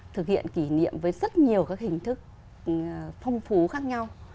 thực hiện kỷ niệm với rất nhiều các hình thức phong phú khác nhau